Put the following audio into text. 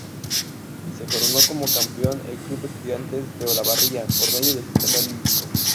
Se coronó como campeón el club Estudiantes de Olavarría, por medio de sistema olímpico.